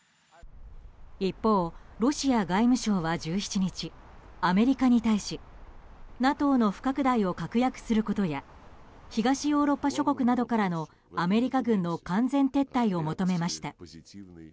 一方、ロシア外務省は１７日アメリカに対しＮＡＴＯの不拡大を確約することや東ヨーロッパ諸国などからのアメリカ軍の完全撤退を求めました。